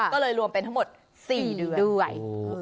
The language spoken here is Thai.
ก็เลยรวมเป็นทั้งหมด๔เดือนด้วย